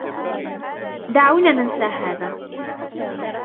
دعونا ننسى هذا.